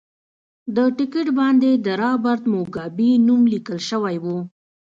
د ټکټ باندې د رابرټ موګابي نوم لیکل شوی و.